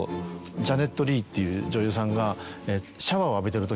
ジャネット・リーっていう女優さんが。